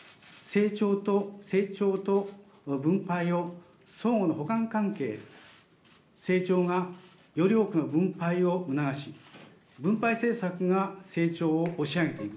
成長と分配を相互の補完関係成長がより多く分配を促し分配政策が成長を押し上げていく。